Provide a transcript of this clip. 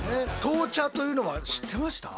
闘茶というのは知ってました？